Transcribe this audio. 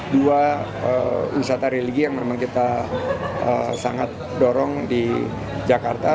dua wisata religi yang memang kita sangat dorong di jakarta